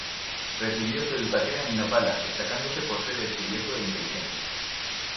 Recibió su educación en Nopala, destacándose por ser estudioso e inteligente.